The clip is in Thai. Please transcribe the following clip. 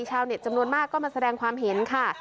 ชาวเน็ตจำนวนมากก็มาแสดงความเห็นค่ะ